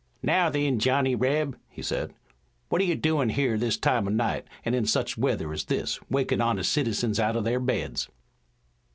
"Now, then, Johnny Reb," he said, "what are you doin' here this time o' night an' in such weather as this, wakin' honest citizens out o' their beds?"